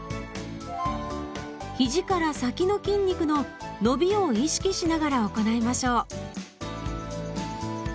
ひじから先の筋肉の伸びを意識しながら行いましょう。